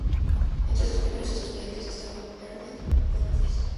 Entre sus primeros estudiantes estaba Erwin Panofsky.